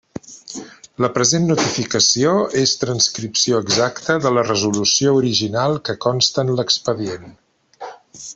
La present notificació és transcripció exacta de la resolució original que consta en l'expedient.